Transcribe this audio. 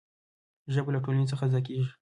ژبه له ټولنې څخه زده کېږي.